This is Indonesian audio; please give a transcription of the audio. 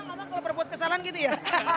bapak kalau berbuat kesalahan gitu ya